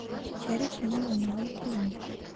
Шәриф менән уйнағым килмәй.